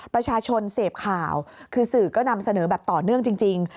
ประชาชนเสพข่าวคือสื่อก็นำเสนอแบบต่อเนื่องจริง